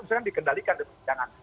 misalkan dikendalikan di persidangan